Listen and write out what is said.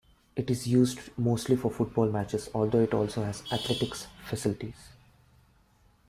It is used mostly for football matches although it also has athletics facilities.